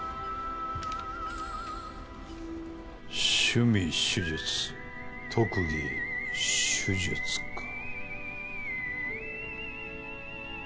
「趣味手術」「特技手術」か。